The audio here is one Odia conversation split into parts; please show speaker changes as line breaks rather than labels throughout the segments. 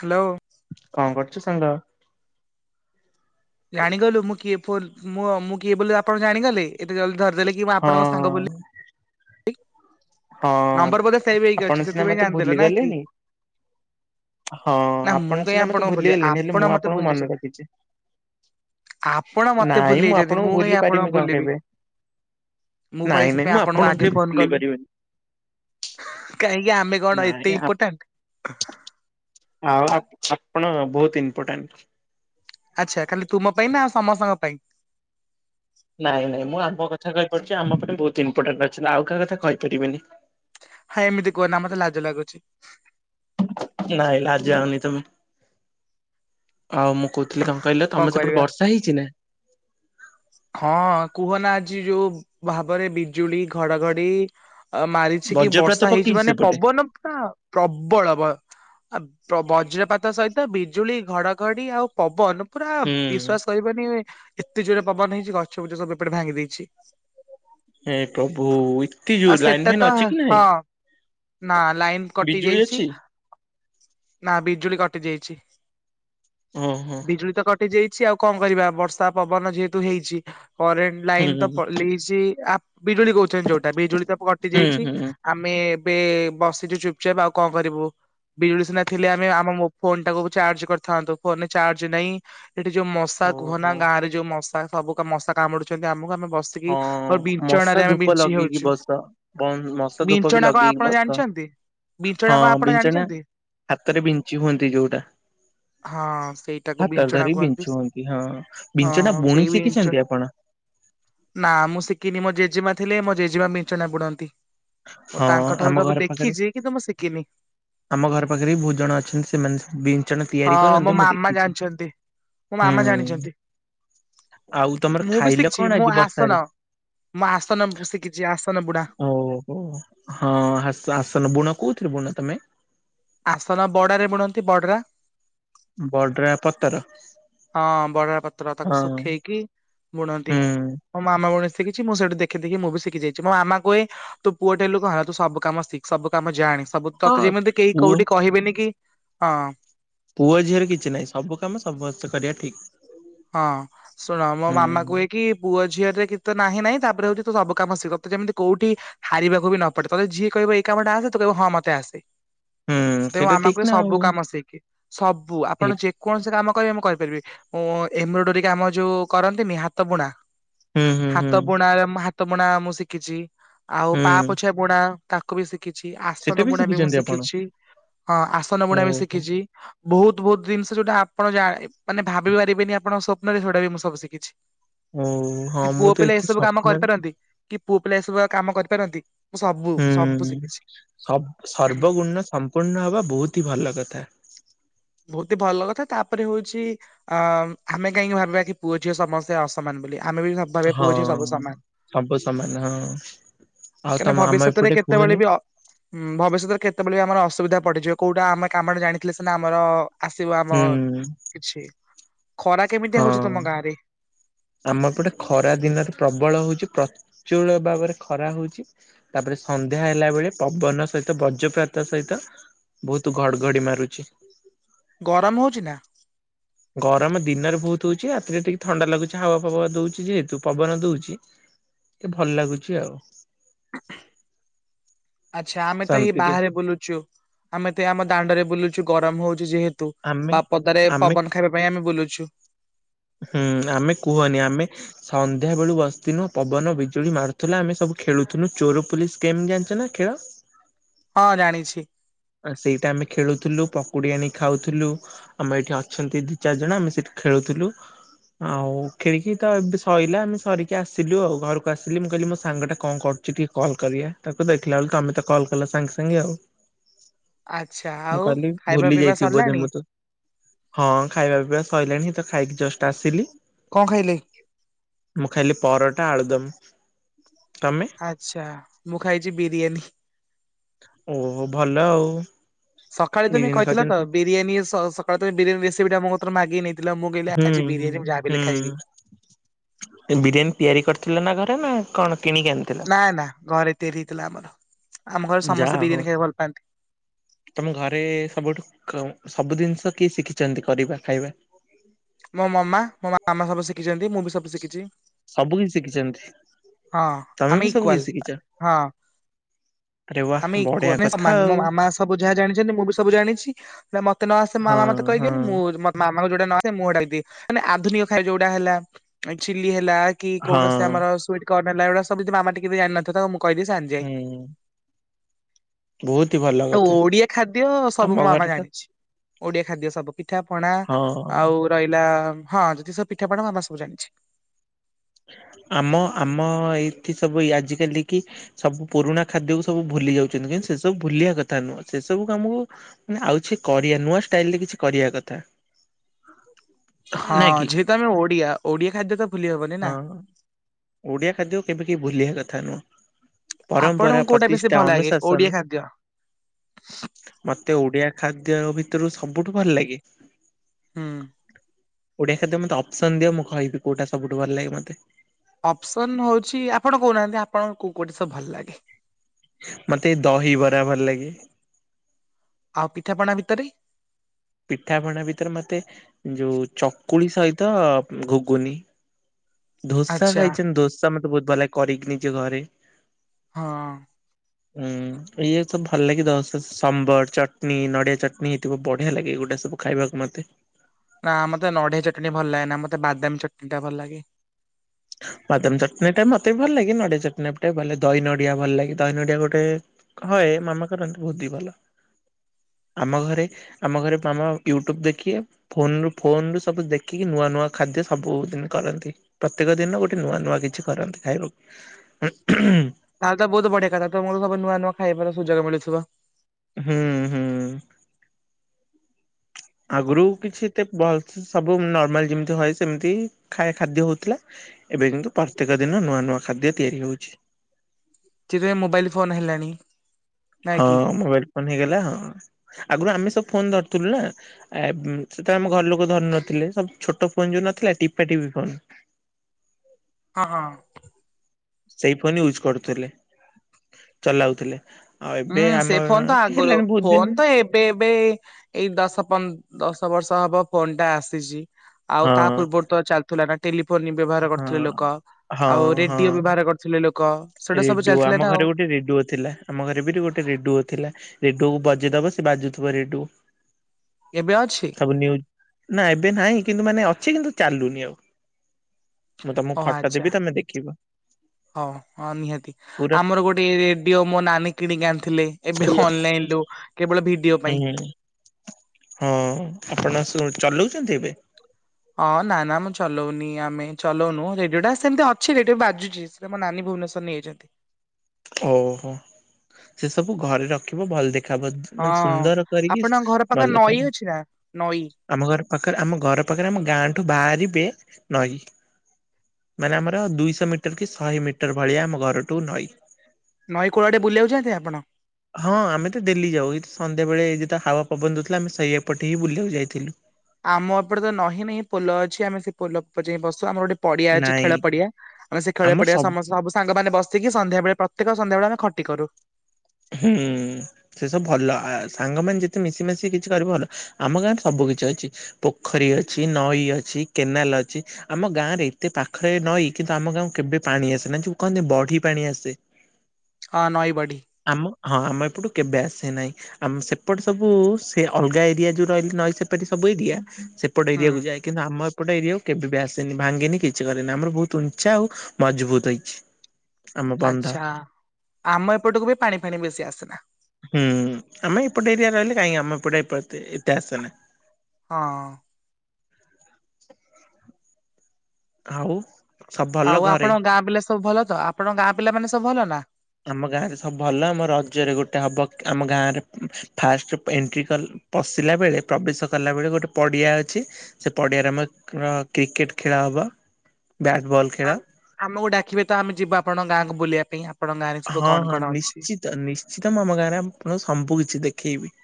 ହାଲୋ
କଁ କରୁଚୁ ସାଙ୍ଗ?
ଜାଣିଗଲୁ ମୁଁ କିଏ ଫୋଲ୍ ମୁଁ ଅ ମୁଁ କିଏ ବୋଲି ଆପଣ ଜାଣିଗଲେ ଏତେ ଜଲଦି ଧର୍ ଦେଲେ କି ମୁଁ
ହଁ
ଆପଣଙ୍କ ସାଙ୍ଗ ବୋଲି [unintelligible]
ହଁ
ନମ୍ବର୍ ବୋଧେ ସେଭ୍ ହେଇକି
ଆପଣ
ଅଛି
ସିନା
ସେଥିପାଇଁ
ମତେ
ଜାଣିଦେଲ
ଭୁଲି
ନା କି?
ଗଲେଣି। ହଁ
ନାଃ
ଆପଣ
ମୁଁ କାଇଁ
ସିନା ମତେ
ଆପଣଙ୍କୁ ଭୁଲେ
ଭୁଲିଗଲେଣି ହେଲେ ମୁଁ
ଆପଣ ମତେ
ଆପଣଙ୍କୁ
ଭୁଲି
ମନେ
ଯାଇଛନ୍ତି।
ରଖିଛି।
ଆପଣ ମତେ
ନାଇଁ
ଭୁଲି
ମୁଁ
ଯାଇଛନ୍ତି
ଆପଣଙ୍କୁ
କାଇଁ
ଭୁଲି
ଆପଣଙ୍କୁ
ପାରିମି କଣ
ଭୁଲିବି।
କେବେ?
ମୁଁ ପାଇଁ
ନାଇଁ ନାଇଁ
ସେଥିପାଇଁ
ମୁଁ
ଆଗେ
ଆପଣଙ୍କୁ କେ
ଫୋନ
ଭୁଲି ପାରିବିନି।
କାଇଁକି ଆମେ କଣ
ନାଇଁ
ଏତେ
ଆ-
ଇମ୍ପୋର୍ଟାଣ୍ଟ୍?
ଆଉ ଆପ୍ ଆପ୍ ଆପଣ ବହୁତ୍ ଇମ୍ପୋର୍ଟାଣ୍ଟ୍।
ଆଚ୍ଛା ଖାଲି ତୁମ ପାଇଁ ନା ଆଉ ସମସ୍ତଙ୍କ ପାଇଁ?
ନାଇଁ ନାଇଁ, ମୁଁ ଆମ କଥା କହିପାରୁଛି, ଆମ ପାଇଁ ବହୁତ ଇମ୍ପୋର୍ଟାଣ୍ଟ ଅଛି ଆଉ କାହା କଥା କହିପାରିବିନି।
ହାଏ ଏମିତି କୁହନା ମତେ ଲାଜ ଲାଗୁଛି।
ନାଇଁ ଲାଜାଅନି ତମେ, ଆଉ ମୁ କହୁଥିଲି କଣ କହିଲ ତମ ସେପଟ ବର୍ଷ ହେଇି ନା?
ହଁ କୁହ ନା ଆଜି ଯୋଉ ଭାବରେ ବିଜୁଳି, ଘଡଘଡି ଅ ମାରିଛି କି
ବଜ୍ରପାତ
ବର୍ଷା ହେଇଛି
ପକେଇଛି
ମାନେ
ସେପଟେ?
ପବନ ପୁରା ପ୍ରବଳ ବ, ଆ ପ୍ର ବଜ୍ରପାତ ସହିତ ବିଜୁଳି, ଘଡଘଡି ଆଉ ପବନ ପୁରା
ହୁଁ
ବିଶ୍ଵାସ କରିବେନି ଏତେ ଜୋରେ ପବନ ହେଇଛି ଗଛୁ ଗୁଛ ସବୁ ଏପଟେ ଭାଙ୍ଗି ଦେଇଛି।
ହେ ପ୍ରଭୁ ଏତେ
ଆଉ
ଯୋର ଲାଇନ
ସେଟା
ଫାଇନ୍
ତ
ଅଛି କି
ହଁ
ନାଇଁ?
ନା ଲାଇନ କଟି ଯାଇଛି
ଅଛି?
ନା ବିଜୁଳି କଟି ଯାଇଛି।
ଓହୋ
ବିଜୁଳି ତ କଟି ଯାଇଛି ଆଉ କଣ କରିବା ବର୍ଷା ପବନ ଯେହେତୁ ହେଇଛି, କରେନ୍
ହୁଁ
ଲାଇନ ତ
ହୁଁ
ପଲେଇଛି, ଆ ବିଜୁଳି କହୁଛନ୍ତି ଯୋଉଟା ବିଜୁଳି ତ କଟି ଯାଇଛି।
ହୁଁ
ଆମେ ଏବେ ବସିଛୁ ଚୁପଚାପ୍ ଆଉ କଣ କରିବୁ। ବିଜୁଳି ସିନା ଥିଲେ ଆମେ ଆମ ମୋ ଫୋନ ଟାକୁ ଚାର୍ଜ କରିଥାନ୍ତୁ। ଫୋନରେ ଚାର୍ଜ ନହିଁ, ଏଠି ଯୋଉ ମଶା କୁହ ନା
ଓହୋ।
ଗାଁରେ ଯୋଉ ମଶା ସବୁକା ମଶା କାମୁଡୁଛନ୍ତି ଆମକୁ, ଆମେ ବସ୍ ତିକି
ହଁ
ଆଉ
ମଶା
ବିଛଣାରେ ଆମେ
ଧୂପ
ବିଞ୍ଚି
ଲଗେଇକି
ହେଉଛୁ,
ବସ। ବନ୍ଦ ମଶା ଧୂପ ବି
ବିଛଣା କଣ
ଲଗେଇକି
ଆପଣ
ବସ
ଜାଣିଛନ୍ତି? ବିଞ୍ଚଣା କଣ
ହଁ
ଆପଣ
ବିଞ୍ଚଣା
ଜାଣିଛନ୍ତି?
ହାତରେ ବିଞ୍ଚି ହୁଅନ୍ତି ଯୋଉଟା।
ହଁ ସେଇଟାକୁ
ହାତରେ
ବିଞ୍ଚଣା
ଧରି
କୁହନ୍ତି
ବିଞ୍ଚି ହୁଅନ୍ତି, ହଁ ବିଞ୍ଚଣା
ହଁ ସେଇ
ବୁଣି
ବିଞ୍ଚଣା
ଶିଖିଛନ୍ତି ଆପଣ?
ନା ମୁଁ ଶିଖିନି, ମୋ ଜେମା ଥିଲେ ମୋ ଜେଜେମା ବିଞ୍ଚଣା ବୁଡନ୍ତି। ମୁଁ
ହଁ
ତାଙ୍କ
ଆମ
ଠାରୁ ତବୁ
ଘର ପାଖରେ
ଦେଖିଛି କିନ୍ତୁ ମୁଁ ଶିଖିନି।
ଆମ ଘର ପାଖରେ ବି ବହୁ ଜଣ ଅଛନ୍ତି, ସେମାନେ ସବ୍ ବି ଞ୍ଚଣା
ହଁ
ତିଆରି
ମୋ
କରନ୍ତି ମୁଁ
ମାମା
ଦେଖିଛି,
ଜାଣିଛନ୍ତି। ମୋ ମାମା ଜାଣିଛନ୍ତି
ହୁଁ। ଆଉ ତମର
ମୁଁ ବି
ଖାଇଲେ
ଶିଖିଛି
କଣ
ମୁଁ
ଆଜି
ଆସନ
ବର୍ଷାରେ?
ମୁଁ ଆସନ ଶିଖିଛି ଆସନ ବୁଡା।
ଓ, ହଁ ହାସ ଆସନ ବୁଣ କୋଉଥିରେ ବୁଣ ତମେ?
ଆସନ ବଡାରେ ବୁଣନ୍ତି ବଡ୍ରା।
ବଡ୍ରା ପତର
ହଁ ବଡ୍ରା ପତ୍ର ତାକୁ
ହଁ
ଶୁଖେଇକି ବୁଣନ୍ତି।
ହୁଁ।
ମୋ ଆମ ବେଳେ ଶିଖିଚି, ମୁଁ ସେଇଠୁ ଦେଖ ଦେଖି ମୁଁ ବି ଶିଖୀ ଯାଇଛି, ମୋ ମାମା କୁହେ ତୁ ପୁଅ ଟେ ହେଲୁ କଣ ହେଲା ତୁ ସବୁ କାମ ଶିଖ, ସବୁ କାମ ଯାଣେ। ସବୁ ତତେ
ହଁ
ଯେମିତି କେହି
ପୁଅ
କୋଉଠି କହିବେନି କି, ହଁ।
ପୁଅ, ଝିଅରେ କିଛି ନାହିଁ ସବୁ କାମ ସମସ୍ତେ କରିବା ଠିକ୍।
ହଁ ଶୁଣ ମୋ
ହୁଁ
ମାମା କୁହେ କି ପୁଅ ଝିଅରେ କି ତ ନାହିଁ ନାହିଁ ତାପରେ ହଉଛି ତୁ ସବୁ କାମ ସିଖ, ତୁ ଯେମିତି କୋଉଠି ହାରିବାକୁ ବି ନ ପଡେ, ତତେ ଯିଏ କହିବ ଏ କାମଟା ଆସେ ତୁ କହିବୁ ହଁ ମତେ ଆସେ।
ହୁଁ
ସେଥିପାଇଁ ମୋ
ସେଇଟା
ମାମା
ଠିକ୍
କୁହେ
ନା
ସବୁ
ଆଉ
କାମ ଶିଖି ସବୁ ଆପଣ
ଠିକ୍।
ଯେ କୌଣସି କାମ କରିବେ ମୁ କରିପାରିବି ଓଁ ଏମ୍ବ୍ରୋଡୋରୀ କାମ ଯୋଉ କରନ୍ତିନି ହାତ ବୁଣା
ହୁଁ ହୁଁ ହୁଁ
ହାତ ବୁଣା ହାତ ବୁଣା ମୁଁ ଶିଖିଛି ଆଉ ପା
ହୁଁ।
ପୋଛା ବୁଣା ତାକୁ ବି ଶିଖିଛି,
ସେଟା
ଆସନ ବୁଣା ବି ମୁଁ
ଶିଖିଛନ୍ତି ଆପଣ
ଶିଖିଛି, ହଁ ଆସନ ବୁଣା ବି
ଓହୋ।
ଶିଖିଛି। ବହୁତ ବହୁତ ଜିନିଷ ଯୋଉଟା ଆପଣ ଜାଇ ମାନେ ଭାବି ପାରିବେନି ଆପଣ ସ୍ୱପ୍ନରେ ସେଉଡ଼ା ବି ମୁଁ ସବୁ ଶିଖିଛି।
ଓ ହଁ
କି
ମୁଁ
ପୁଅ
ତ
ପିଲା
ଏତେ
ଏସବୁ କାମ
ସ୍ୱପ୍ନରେ
କରିପାରନ୍ତି, କି ପୁଅ ପିଲା ଏସବୁ ଆ କାମ କରିପାରନ୍ତି? ମୁଁ ସବୁ
ହୁଁ
ସବୁ ଶିଖିଛି।
ସବ୍ ସର୍ବଗୁଣ ସମ୍ପୂର୍ଣ୍ଣ ହବା ବହୁତ ହି ଭଲ କଥା।
ବହୁତ ଭଲ କଥା ତାପରେ ହୋଉଛି ଅ ଆମେ କାହିଁକି ଭାବିବା କି ପୁଅ ଝିଅ ସମସ୍ତେ ଅସମାନ ବୋଲି ଆମେ ବି ଭାବିବା
ହଁ
ପୁଅ ଝିଅ ସବୁ ସମାନ।
ସବୁ ସମାନ ହଁ। ଆଉ
କାହିଁକି ନା
ତମ ଆମ
ଭବିଷ୍ୟତରେ
ଏପଟେ
କେତେବେଳେ
କୁହନି
ବି ହୁଁ ଭବିଷ୍ୟତରେ କେତେବେଳେ ବି ଆମର ଅସୁବିଧା ପଡିଯିବ କୋଉଟା ଆମ କାମ ଜାଣିଥିଲେ ସିନା ଆମର ଆସିବ ଆମ
ହୁଁ
କିଛି ଖରା କେମିତି ହଉଛି
ହଁ।
ତମ ଗାଁରେ?
ଆମ ଏପଟେ ଖରା ଦିନରେ ପ୍ରବଳ ହୋଉଛି ପ୍ରଚୁର ଭାବରେ ଖରା ହୋଉଛି। ତାପରେ ସନ୍ଧ୍ୟା ହେଲା ବେଳେ ପବନ ସହିତ ବଜ୍ରପାତ ସହିତ ବହୁତ ଘଡଘଡି ମାରୁଛି।
ଗରମ ହୋଉଛି ନା?
ଗରମ ଦିନରେ ବୋହୁତ ହୋଉଛି ରାତିରେ ଟିକେ ଥଣ୍ଡା ଲାଗୁଛି ହାୱା ଫାୱା ଦୋଉଛି ଯେହେତୁ ପବନ ଦୋଉଛି। ଭଲ ଲାଗୁଛି ଆଉ।
ଉ ହୁଁ [inaudible] ଆଚ୍ଛା ଆମେ ତ ଏଇ
ଶାନ୍ତିରେ
ବାହାରେ ବୁଲୁଛୁ ଆମେ ତ ଆମ ଦାଣ୍ଡରେ ବୁଲୁଛୁ ଗରମ ହୋଉଛି ଯେହେତୁ।
ଆମେ
ବା ପଦାରେ
ଆମେ
ପବନ ଖାଇବା ପାଇଁ ଆମେ ବୁଲୁଛୁ।
ହୁଁ ଆମେ କୁହନି ଆମେ ସନ୍ଧ୍ୟା ବେଳୁ ବସିିଥିଲୁ ପବନ, ବିଜୁଳି ମାରୁଥିଲା ଆମେ ସବୁ ଖେଳୁଥିଲୁ ଚୋର ପୋଲିସ୍ ଗେମ୍ ଜାଣିଛ ନା?
ହଁ ଜାଣିଛି।
ଆ ସେଇଟା ଆମେ ଖେଳୁଥିଲୁ ପକୁଡି ଆଣି ଖାଉଥିଲୁ। ଆମେ ଏଇଠି ଅଛନ୍ତି ଦି ଚାରି ଜଣ ଆମେ ସେଠି ଖେଳୁଥିଲୁ। ଆଉ ଖେଳିକି ତ ଏବେ ସରିଲା ଆମେ ସରିକି ଆସିଲୁ ଆଉ ଘରକୁ ଆସିଲି ମୁଁ କହିଲି ମୋ ସାଙ୍ଗ ଟା କଣ କରୁ ଟିକେ କଲ୍ କରିବା ତାକୁ ଦେଖିଲା ବେଳୁ ତମେ ତ କ କଲ୍ ସାଙ୍ଗେ ସାଙ୍ଗେ।
ଆଛା।
ମୁଁ କଲି ଭୁଲି ଯାଇଥିବୁ ବୋଧେ ମତେ? ହଁ ଖାଇବା ପିଇବା ସରିଲାଣି ତ ଖାଇକି ଜଷ୍ଟ ଆସିଲି।
କଣ ଖାଇଲେ?
ମୁଁ ଖାଇଲି ପରଟା, ଆଳୁଦମ ତ
ଆଚ୍ଛା ମୁଁ ଖାଇଛି ବିରିୟାନୀ।
ଓହୋ ଭଲ ଆଉ।
ସକାଳେ ତମେ
ବିରିୟାନୀ
କହିଥିଲ ତ
ଖାଉଛନ୍ତି
ବିରିୟାନୀ ସ ସକାଳେ ତମେ ବିରିୟାନୀ ରେସିପି ଟା ମୋ କତିରୁ ମାଗିକି ନେଇ ଥିଲ ମୁଁ କହିଲି
ହୁଁ
ଆଜି
ହୁଁ
ବିରିୟାନି ମୁଁ ଯାହା ବି ହେଲେ ଖାଇବି।
ହୁଁ। ବିରିୟାନୀ ତିଆରି କରିଥିଲ ନା ଘରେ ନା କଣ କିଣିକି ଆଣିଥିଲ?
ନା ନା ଘରେ ତିଆରି ହେଇଥିଲା ଆମର ଆମ ଘରେ ସମସ୍ତେ
ଯାହା ହଉ
ବିରିୟାନୀ ଖାଇବାକୁ ଭଲ ପାଆନ୍ତି।
ତମ ଘରେ ସବୁଠୁ ସବୁ ଜିନିଷ କିଏ ଶିଖିଛନ୍ତି କରିବା ଖାଇବା?
ମୋ ମାମା ମୋ ମାମା ସବୁ ଶିଖିଛନ୍ତି ମୁଁ ସବୁ ଶିଖିଚି
ସବୁ କିଛି ଶିଖିଛନ୍ତି
ହଁ
ତମେ ବି
ଆମେ
ସବୁ
ଇକ୍ଵାଲ୍
କିଛି ଶିଖିଛ?
ହଁ।
ଆରେ ବା
ଆମେ
ବଢିଆ
ଇକ୍ଵାଲ୍
କଥା
ସମାନ ମୋ
ଆଉ
ମାମା ସବୁ ଯାହା ଜାଣିଛନ୍ତି ମୁଁ ବି ସବୁ ଜାଣିଛି। ମତେ ନ ଆସେ
ହଁ
ମାମା ମତେ କହିଦିଅନ୍ତି
ହଁ
ମୁଁ ମତେ ମାମା କୁ ଯୋଉଟା ନ ଆସେ ମୁଁ ତାକୁ କହିଦିଏ ମାନେ ଆଧୁନିକ ଖାଇବା ଯୋଉଟା ହେଲା ଚିଲ୍ଲୀ ହେଲା। କି
ହଁ
କୌଣସି ଆମର ସୁଇଟ କର୍ଣ୍ଣ ହେଲା ଏଗୁଡାକ ସବୁ ମାମା ଟିକେ ଜାଣିନଥିବ ମୁଁ ତାକୁ କହିଦିଏ ସେ ଜାଣେ।
ବୋହୁତ ଭଲ।
ଆଉ
କଥା
ଓଡିଆ ଖାଦ୍ୟ ସବୁ ମୋ
ଆମ
ମାମା
ଘରେ ତ
ଜାଣିଛି। ଓଡିଆ ଖାଦ୍ୟ ସବୁ ପିଠା ପଣା
ହଁ
ଆଉ ର ହିଲା ହଁ ଯଦି ସବୁ ପିଠାପଣାା ମାମା ସବୁ ଜାଣିଛି।
ଆମ ଆମ ଏଇଥି ସବୁଇ ଆଜିକାଲ କି। ସବୁ ପୁରୁଣା ଖାଦ୍ୟକୁ ସବୁ ଭୁଲି ଯାଉଚନ୍ତି କିନ୍ତୁ ସେ ସବୁ ଭୁଲିବା କଥା ନୁହଁ, ସେ ସବୁ କାମୁକୁ ଆଉ ଛି କରିବା ନୂଆ ଷ୍ଟାଇଲରେ କିଛି କରିବା କଥା -
ହଁ
କି
ଯେହେତୁ ଆମେ ଓଡ଼ିଆ, ଓଡିଆ ଖାଦ୍ୟ ତ ଭୁଲି ହବନି
ହଁ
ନା
ଓଡିଆ ଖାଦ୍ୟକୁ କେବେ କେହି ଭୁଲିବା କଥା ନୁହଁ - ପରମ୍ପରା,
ଆପଣଙ୍କୁ କୋଉଟା ବେଶୀ
ପତିଷ୍ଠା,
ଭଲ ଲାଗେ ଓଡିଆ
ଅନୁଶାସନ
ଖାଦ୍ୟ
- ମତେ ଓଡିଆ ଖାଦ୍ୟ ଭିତୁରୁ ସବୁଠୁ ଭଲ ଲାଗେ -
ହୁଁ
ଓଡିଆ ଖାଦ୍ୟ ମତେ ଅପସନ୍ ଦିଅ ମୁଁ କହିବି କୋଉଟା ସବୁଠୁ ଭଲ ଲାଗେ ମତେ।
ଅପସନ ହଉଛି ଆପଣ କହୁନାହାନ୍ତି ଆପଣ କୋଉ କୋଉଟା ସବୁ ଭଲ ଲାଗେ।
ମତେ ଦହି ବରା ଭଲ ଲାଗେ -
ଆଉ ପିଠାପଣା ଭିତରେ?
ପିଠାପଣା ଭିତରେ ମତେ ଯୋଉ ଚକୁଳି ସହିତ ଘୁୁଘୁନି - ଦୋସା
ଆଚ୍ଛା
ଖାଇଛନ୍ତି, ଦୋସା ମତେ ବହୁତ ଭଲ ଲାଗେ କରିିକି ନିଜେ ଘରେ -
ହଁ
ହୁଁ ଇଏ ସବୁ ଭଲ ଲାଗି ଦଶ ସମ୍ବର, ଚଟଣିୀ, ନଡିଆ ଚଟଣି ହେଇଥିବ ବଢିଆ ଲାଗେ ଏଇଗୁଡ଼ା ସବୁ ଖାଇବାକୁ ମତେ -
ନା ମତେ ନଡିଆ ଚଟଣି ଭଲ ଲାଗେ ନା ମତେ ବାଦାମ ଚଟଣି ଟା ଭଲ ଲାଗେ।
ବଦାମ ଚଟନି ଟା ମତେ ବି ଭଲ ଲାଗେ ନଡିଆ ଚଟନି ଟେ ଭ ଦହି ନଡିଆ ଭଲ ଲାଗେ, ଦହି ନଡିଆ ଗୋଟେ ହଏ, ମାମା କରନ୍ତି ବହୁତ ହି ଭଲ ଆମ ଘରେ ଆମ ଘରେ ମାମା ୟୁଟ୍ୟୁବ ଦେଖିଏ ଫୋନରୁ ଫୋନରୁ ସବୁ ଦେଖିକି ନୂଆ ନୂଆ ଖାଦ୍ୟ ସବୁଦିନ କରନ୍ତି। ପ୍ରତ୍ୟେକ ଦିନ ଗୋଟେ ନୂଆ ନୂଆ କିଛି କରନ୍ତି ଖାଇବାକୁ ଉ ଉଁ
ତାହେଲେ ତ ବହୁତ ବଢିଆ କଥା ତମୁଳୁ ସବୁ ନୂଆ ନୂଆ ଖାଇବାର ସୁଯୋଗ ମିଳୁଥିବ -
ହୁଁ ହୁଁ। ଆଗରୁ କିଛି ଏତେ ଭାଲସେ ସବୁ ନର୍ମାଲ ଯେମିତି ହଏ ସେମିତି ଖାଏ ଖାଦ୍ୟ ହଉଥିଲା - ଏବେ କିନ୍ତୁ ପ୍ରତ୍ୟେକ ଦିନ ନୂଆ ନୂଆ ଖାଦ୍ୟ ତିଆରି ହଉଛି।
[unintelligible] ମୋବାଇଲ୍ ଫୋନ୍ ହେଲାଣି -
ହଁ ମୋବାଇଲ ଫୋନ ହେଇଗଲା ହଁ, ଆଗୁରୁ ଆମେ ସବୁ ଫୋନ ଧରୁଥିଲୁ ନା - ଆ ବ ଉଁ ସେତେବେଳେ ଆମ ଘର ଲୋକ ଧରୁନଥିଲେ ସବୁ ଛୋଟ ଫୋନ ଯୋଉ ନଥିଲା ଟିପାଟିପି ଫୋନ୍।
ହଁ ହଁ।
ସେଇ ଫୋନ୍ ୟୁଜ କରୁଥିଲେ, ଚଲାଉଥିଲେ। ଆଉ ଏବେ
ହୁଁ
ଆମ
ସେ ଫୋନ ତ ଆଗରୁ
ହେଲାଣି ବହୁତ ଦିନ
ଫୋନ ତ ଏ ଏବେ ଏବେ ଏଇ ଦଶ ପନ୍ଦ ଦଶ ବର୍ଷ ହବ ଫୋନ ଟା ଆସିଛି - ଆଉ
ହଁ
ତା ପୂର୍ବରୁ ତ ଚାଲୁଥିଲା ନା ଟେଲିଫୋନ ନି ବ୍ୟବହାର
ହଁ।
କରୁଥିଲେ ଲୋକ ଆଉ ରେଡିଓ ବ୍ୟବହାର କର - ଥିଲେ ଲୋକ -
ରେଡୁଅ, ଆମ ଘରେ ଗୋଟେ ରେଡୁଅ ଥିଲା। ଆମ ଘରେ ବି ରି ଗୋଟେ ରେଡୁଅ ଥିଲା, ରେଡୁଅକୁ ବଜେଇଦବ ସେ ବାଜୁଥିବ ରେଡୁଅ -
ଏବେ ଅଛି?
[unintelligible] ନା ଏବେ ନାହିଁ କିନ୍ତୁ ମାନେ ଅଛି କିନ୍ତୁ ଚାଲୁନି ଆଉ। ମୁଁ ତମୁକୁ ଫଟ ଦେବି ତମ ଦେଖିବ।
ହଁ ହଁ ନିହାତି।
ପୁରା
ଆମର ଗୋଟେ ରେଡିଓ ମୋ ନାନୀ କିଣିକି ଆଣିଥିଲେ ଏବେ ଅନଲାଇନରୁୁ - କେବଳ ଭିଡିଓ ପାଇଁ।
ହୁଁ ହଁ ଆପଣ ସ ଚଲଉଚନ୍ତି ଏବେ?
ହଁ ନା ନା ମୁଁ ଚଲଉନି ଆମେ ଚଲଉନୁ ରେଡିଓ ଟା ସେମିତି ଅଛି ରେଡିଓ ବାଜୁଚି - ସେ ଆମ ନାନୀ ଭୁବନେଶ୍ୱର ନେଇଯଛନ୍ତି।
ଓହୋ ସେ ସବୁ ଘରେ ରଖିବ ଭଲ ଦେଖାହବ। ମାନେ
ହଁ
ସୁନ୍ଦର କରିକି
ଆପଣଙ୍କ ଘର ପାଖରେ
ଭଲ
ନଈ
ଖାଇବା।
ଅଛି ନା? ନଈ
ଆମ ଘର ପାଖରେ ଆମ ଘର ପାଖରେ ଆମ ଗାଁଠୁ ବାହାରିବେ ନଈ। ମାନେ ଆମର ଦୁଇଶହ ମିଟର କି ଶହେ ମିଟର ଭଳିଆ ଆମ ଘରଠୁ ନଈ।
ନଈକୂଳାଟେ ବୁଲିିବାଉଛନ୍ତି ଆପଣ।
ହଁ ଆମେ ତ ଡେଲି ଯାଉ ସନ୍ଧ୍ୟା ବଳେ ଯେତେ ହାଉଆ ପବନ ଦଉଥିଲା ଆମେ ସେଇଆପଟେ ହିଁ ବୁଲିବାକୁ ଯାଇଥିଲୁ।
ଆମ ଉପରେ ତ ନହିଁ ନହିଁ ପୋଲ ଅଛି ଆମେ ସେ ପୋଲ ଉପରେ ଯାଇ ବସୁ ଆମର ଗୋଟେ ପଡିଆ ଅଛି
ନାଇଁ
ଖେଳ ପଡିଆ ଆମେ ସେ ଖେଳ ପଡିଆ ସମସ୍ତେ ସବୁ ସାଙ୍ଗ ମାନେ ବସି ଟିକେ ସନ୍ଧ୍ୟାବେଳେ ପ୍ରତ୍ୟେକ ସନ୍ଧ୍ୟାବେଳେ ଆମେ ଖଟି କରୁ।
ହୁଁ। ସେ ସବୁ ଭଲ ସାଙ୍ଗ ମାନ ଯେତେ ମିଶିମଶି କିଛି କରିବେ ଆମ ଗାଁରେ ସବୁ କିିଛି ଅଛି। ପୋଖରୀ ଅଛି ନଈ ଅଛି କେନାଲ ଅଛି। ଆମ ଗାଁରେ ଏତେ ପାଖରେ ନଈ କିନ୍ତୁ ଆମ ଗାଁକୁ କେବେ ପାଣି ଆସେ ନାହିନ୍ତି କହନ୍ତି ବଢି ପାଣି ଆସେ।
ହଁ ନଈବଡ଼ି।
ଆମ ହଁ ଆମ ଏପଟୁ କେବେ ଆସେ ନାହିଁ। ଆମ ସେପଟ ସବୁ ସେ ଅଲଗା ଏରିଆ ଯୋଉ ରହିଲି ନଈ ସେପାଟ ସବୁ ଏରିଆ ସେପଟ
ହୁଁ
ଏରିକୁ ଯାଏ କିନ୍ତୁ ଆମ ଏପଟ ଏରିଆ ଆଉ କେବେ ବି ଆସେନି ଭାଙ୍ଗେନି କିଛି କରେନି ଆମର ବହୁତ ଉଞ୍ଚା ଆଉ ମଜବୁତ ହେଇଛି। ଆମ ବନ୍ଧ
ଆଚ୍ଛା ଆମ ଏପଟକୁ ବି ପାଣି ଫାଣି ବେଶୀ ଆସେନା।
ହୁଁ ଆମଏପଟ ଏରିଆ ରହିଲେ ଆମପଟେ ଏତେ ଆସେନା।
ହଁ।
ଆଉ। ସବୁ ଭଲ
ଆଉ
ଘରେ
ଆପଣଙ୍କ ଗାଁ ପିଲା ସବୁ ଭଲ ତ ଆପଣଙ୍କ ଗାଁ ପିଲା ମାନେ ସବୁ ଭଲ ନା।
ଆମ ଗାଁରେ ସବୁ ଭଲ ଆମ ରଜରେ ଗୋଟେ ହବ ଆମ ଗାଁରେ ଫାଷ୍ଟ ଏଣ୍ଟ୍ରି କଲେ ପଶିଲା ବେଳେ ପ୍ରବେଶ କଲା ବେଳେ ଗୋଟେ ପଡିଆ ଅଛି ସେ ପଡିଆରେ ଆମେ କ୍ରିକେଟ ଖେଳା ହବା ବ୍ୟାଟବଲ୍।
ଆମକୁ ଡାକିବେ ତ ଆମେ ଯିବା ଆପଣଙ୍କ ଗାଁକୁ ବୁଲିବା ପାଇଁ ଆପଣଙ୍କ ଗାଁରେ ସବୁ
ହଁ
କଣ
ହଁ
କଣ ଅଛି।
ନିଶ୍ଚିତ ନିଶ୍ଚିତ ମୁଁ ଆମ ଗାଁରେ ଆପଣ ସବୁ କିଛି ଦେଖେଇବି।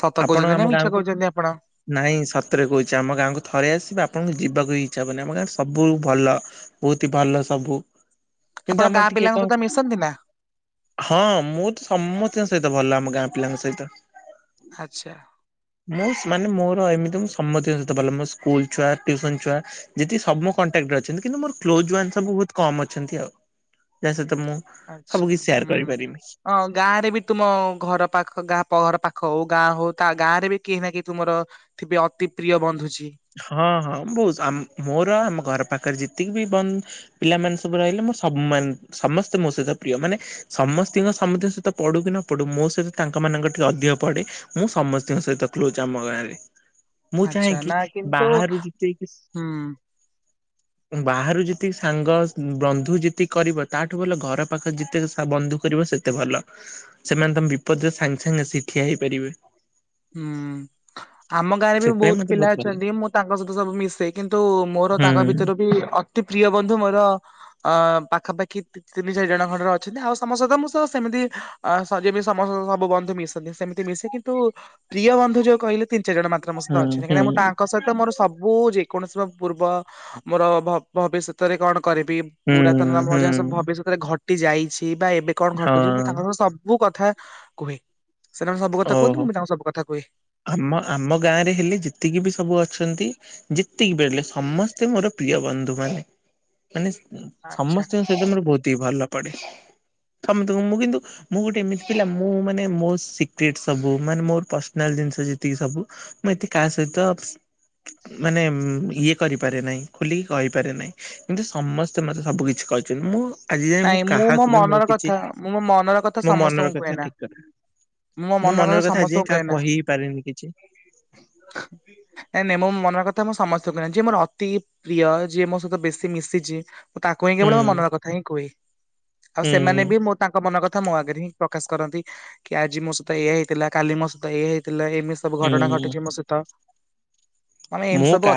ସତ
ଆପଣ
କହୁଛନ୍ତି ନା
ଆମ
ମିଛ
ଗାଁକୁ?
କହୁଛନ୍ତି ଆପଣ
ନାଇଁ ସତରେ କହୁଛି ଆମ ଗାଁକୁ ଥରେ ଆସିବେ ଆପଣଙ୍କୁ ଯିବାକୁଁ ଇଚ୍ଛା ହବନି ଆମ ଗାଁରେ ସବୁ ଭଲ। ବହୁତ ହ ଭଲ ସବୁ
ଆପଣ
କିନ୍ତୁ ଆମର
ଗାଁ
ଟିକେ
ପିଲାଙ୍କ
କଣ
ସହିତ ମିଶନ୍ତି ନା?
ହଁ ମୁଁ ତ ସମସ୍ତଙ୍କ ସହିତ ଭଲ ଆମ ଗାଁ ପିଲାଙ୍କ ସହିତ।
ଆଚ୍ଛା।
ମୁଁ ମାନେ ମୋର ଏମିତି ସମତିଙ୍କ ସଇତ ଭଲ। ସ୍କୁଲ ଛୁଆ ଟ୍ୟୁସନ୍ ଛୁଆ ଯେତିକିସବୁ କଣ୍ଟାକ୍ଟରେ ଅଛନ୍ତିକିନ୍ତୁ ମୋର କ୍ଲୋଜ ୱାନ୍ ସବୁ ବହୁତ କମ ଅଛନ୍ତି ଆଉ। ଯା ସହିତ ମୁଁ ସବୁ
ଆଚ୍ଛା
କିଛି ସେୟାର
ହୁଁ।
କରିପାରିବି।
ହଁ ଗାଁ ରେ ବି ତୁମ ଘର ପାଖ ଗାଁ ଘର ପାଖ ହଉ ଗାଁ ହଉ ତା ଗାଁରେ ବି କେହି ନା କେହି ତୁମର ଥିବେଅତି ପ୍ରିୟ ବନ୍ଧୁଛି
ହଁ ହଁ ବହୁ ମୋର ଆମ ଘର ପାଖରେ ଯେତିକି ବି ବନ୍ଦ ପିଲାମାନେ ସବୁ ରହିଲେ ମୋର ସମସ୍ତେ ମୋ ସହିତ ପ୍ରିୟ ମାନେ ସମସ୍ତଙ୍କ ସମସ୍ତଙ୍କ ସହିତ ପଢୁ କି ନ ପଢୁ ମୋ ସହିତ ତାଙ୍କ ମାନଙ୍କ ଟିକେ ଅଧିକ ପଢେ। ମୁଁ ସମସ୍ତଙ୍କ ସହିତ କ୍ଲୋଜ ଆମ ଗାଁରେ। ମୁଁ ଚାହେଁ
ଆଛା
କିି
ନା କିନ୍ନ୍ତୁ
ବାହାରୁ ଯେତିକି
ହୁଁ।
ବାହାରୁ ଯେତିକି ସାଙ୍ଗ ବନ୍ଧୁ ଯେତିକି କରିବ, ତାଠୁ ଭଲ ଘର ପାଖରେ ଯେତକ ବନ୍ଧୁ କରିବ ସେ ତେ ଭଲ, ସେମାନେ ତମେ ବିପଦରେ ସାଙ୍ଗେ ସାଙ୍ଗେ ଆସିକି ଠିଆ ହେଇପାରିବେ।
ହୁଁ, ଆମ ଗାଁରେ ବି
ସେଥିପାଇଁ
ବହୁତ
ମତେ
ପିଲା
ଭଲ ଲାଗେ
ଅଛନ୍ତି, ମୁଁ ତାଙ୍କ ସହିତ ସବୁ ମିଶେ କିନ୍ତୁ ମୋର ତାଙ୍କ
ହୁଁ
ଭିତରୁ ବି ଅତି ପ୍ରିୟ ବନ୍ଧୁ ମୋର ଅ ପାଖାପାଖି ତି ତିନି ଚାରି ଜଣ ଖଣ୍ଡରେ ଅଛନ୍ତି, ଆଉ ସମସ୍ତେ ମୁଁ ସହ ସେମିତି ଅ ଯେମିତି ସମସ୍ତେ ସବୁ ବନ୍ଧୁ ମିଶନ୍ତି, ସେମିତି ମିଶେ, କି ତୁ, ପ୍ରିୟ ବନ୍ଧୁ ଯୋଉ କହିଲେ ତିନି ଚାରି ଜଣ ମାତ୍ର ମୋ ସହିତ
ହୁଁ
ଅଛନ୍ତି, କାହିଁକି ନା
ହୁଁ
ମୁଁ ତାଙ୍କ ସହିତ ମୋର ସବ୍ ମୁଁ ଯେକୌଣସି ମୋ ପୂର୍ବ, ମୋର ଭବିଷ୍ୟତରେ କଣ କରିବି
ହୁଁ
ପୁରାତନ ବା ମୋ
ହୁଁ
ଯାହା ସବୁ ଭବିଷ୍ୟତରେ ଘଟି ଯାଇଛି ବା ଏବେ କଣ
ହଁ
ଘଟୁଚି, ମୁଁ ତାଙ୍କ ସହ ସବ୍ ସବୁ କଥା କୁହେ, ସେ ତାଙ୍କୁ ସବୁ କଥା କୁହନ୍ତି,
ଓହୋ।
ମୁଁବି ତାଙ୍କୁ ସବୁ କଥା କୁହେ।
ଆମ ଆମ ଗାଁ ରେ ହେଲେ ଯେତିକି ବି ସବୁ ଅଛନ୍ତି ଯେତିକି ବେଳିଲେ ସମସ୍ତେ ମୋର ପ୍ରିୟ ବନ୍ଧୁ ମାନେ, ମାନେ
ଆଚ୍ଛା।
ସମସ୍ତେ ସେ ତମର ବହୁତ ହି ଭଲ ପଡେ। ସମସ୍ତଙ୍କୁ, ମୁଁ କିନ୍ତୁ, ମୁଁ ଗୋଟେ ଏମିତି ପିଲା, ମୁଁ ମାନେ ମୋ ଶି ପିଟି ସବୁ, ମାନେ ମୋର ପର୍ସନାଲ ଜିନିଷ ଯେତିକି ସବୁ, ମୁଁ ଏଥି କାହା ସହିତ ମାନେ ଇଏ କରିପାରେ ନାହିଁ, ଖୋଲିକି କହିପାରେ ନାହିଁ। କିନ୍ତୁ ସମସ୍ତେ ମତେ ସବୁ କିଛି କହିଛନ୍ତି, ମୁଁ ଆଜି ଯାଏ ମୁଁ
ନାଇଁ ମୋ
କାହାକୁ ବି
ମନର
ମୋର କିଛି,
କଥା ମୁଁ ମୋ ମନର କଥା
ମୋ ମନର
ସମସ୍ତଙ୍କୁ କୁହେ
କଥା,
ନା।
ଠିକ୍ କଥା।
ମୋ
ମୁଁ ମନର କଥା ଆଜି
ସମସ୍ତଙ୍କୁ କୁହେ
କାହା
ନା।
କହି ହି ପାରେନି କିଛି।
ନାଇଁ ନାଇଁ ମୋ ମନର କଥା ମୁଁ ସମସ୍ତଙ୍କୁ ନାହିଁ, ଯିଏ ମୋର ଅତି ପ୍ରିୟ, ଯିଏ ମୋ ସହିତ ବେଶି ମିଶିଚି ମୁଁ ତାକୁ ହିଁ
ହୁଁ
କେବଳ ମୋ ମନର କଥା ହିଁ କୁହେ, ଆଉ
ହୁଁ
ସେମାନେ ବି ମୋ ତାଙ୍କ ମନ କଥା, ମୋ ଆଗରେ ହିଁ ପ୍ରକାଶ କରନ୍ତି। କି ଆଜି ମୋ ସହିତ ଏଇଆ ହେଇଥିଲା, କାଲି ମୋ ସହିତ ଏଇଆ ହେଇଥିଲା, ଏମେସ୍ ସବୁ ଘଟଣା
ହୁଁ
ଘଟିଚି ମୋ ସହିତ, ମାନେ ଏମତି
ମୁଁ କା
ସବୁ